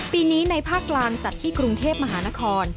ปีนี้ในภาคกลางจัดที่กรุงเทพมหานคร